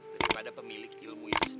daripada pemilik ilmu yang sederhana